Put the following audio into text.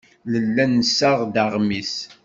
Nella nessaɣ-d aɣmis.